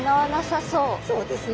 そうですね。